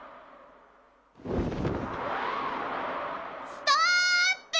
ストーップ！